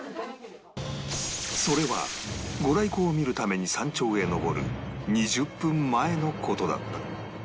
それは御来光を見るために山頂へ登る２０分前の事だった